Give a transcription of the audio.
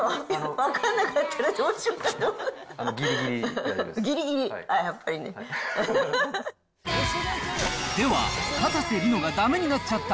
分かんなかったらどうしようかと思った。